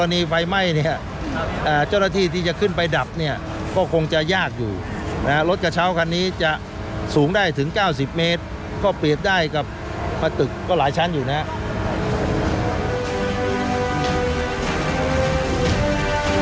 นะฮะรถกระเช้าคันนี้จะสูงได้ถึงเก้าสิบเมตรก็เปลี่ยนได้กับประตึกก็หลายชั้นอยู่นะฮะ